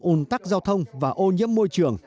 ồn tắc giao thông và ô nhiễm môi trường